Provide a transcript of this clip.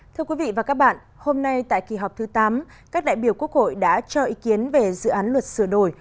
thưa quý vị và các bạn hôm nay tại kỳ họp thứ tám các đại biểu quốc hội đã cho ý kiến về dự án luật sửa đổi